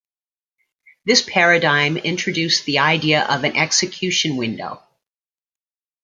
This paradigm introduced the idea of an "execution window".